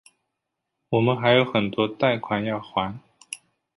我们还有很多贷款要还